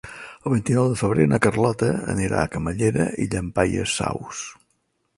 El vint-i-nou de febrer na Carlota anirà a Camallera i Llampaies Saus.